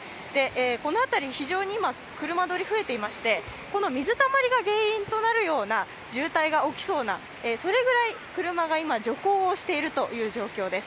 この辺り、非常に車通り増えていまして水たまりが原因となるような渋滞が起きそうなそれぐらい車が徐行をしているという状況です。